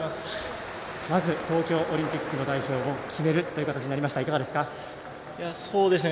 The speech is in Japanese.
まずは東京オリンピックの代表を決めるという形いかがですか。